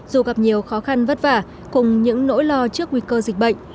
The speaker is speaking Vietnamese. dù gặp nhiều khó khăn vất vả cùng những nỗi lo trước nguy cơ dịch bệnh